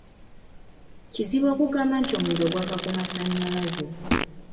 Kizibu okugamba nti omuliro gwava ku masannyalaze.